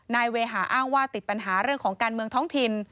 นายเวหาอ้างว่าติดปัญหาเรื่องของการเมืองท้องถิ่น